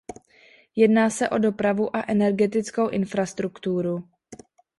Jedná se o dopravu a energetickou infrastrukturu.